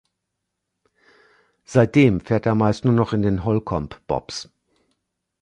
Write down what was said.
Seitdem fährt er meist nur noch in den Holcomb-Bobs.